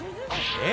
え？